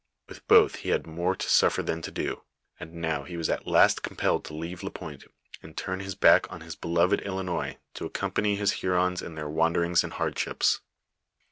With both he had more to suffer than to do ; and now he was at last compelled to leave Lapointe, and turn his back on his beloved Ilinois to accompany his Hurons in their wanderings and hardships.